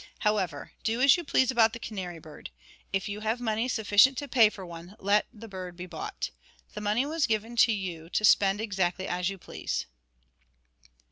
However, do as you please about the canary bird. If you have money sufficient to pay for one, let the bird be bought. The money was given you to spend exactly as you please.'